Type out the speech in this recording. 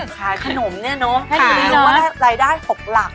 ขายขนมเนี่ยเนอะให้คุณไปรู้ว่ารายได้๖หลัก